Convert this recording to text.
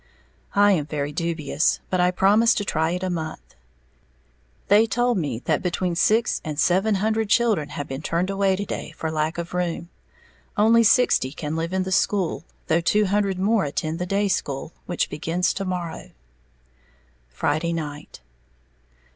'" I am very dubious; but I promised to try it a month. They told me that between six and seven hundred children had been turned away to day for lack of room, only sixty can live in the school, though two hundred more attend the day school, which begins to morrow. _Friday Night.